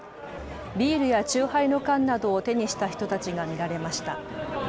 ビールや酎ハイの缶などを手にした人たちが見られました。